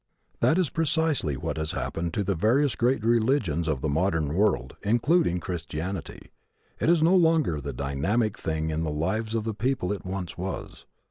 That is precisely what has happened to the various great religions of the modern world, including Christianity. It is no longer the dynamic thing in the lives of the people it once was.